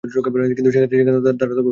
কিন্তু সেখান থেকেও তারা এক সময় বেরিয়ে পড়ে।